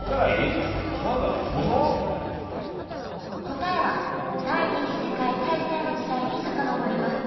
答えは第二次世界大戦の時代に遡ります。